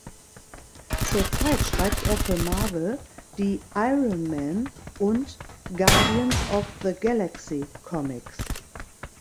Zurzeit schreibt er für Marvel die "Iron Man" und "Guardians of the Galaxy" Comics.